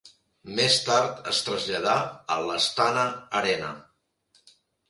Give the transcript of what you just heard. Més tard es traslladà a l'Astana Arena.